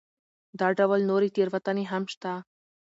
دا ډول نورې تېروتنې هم شته.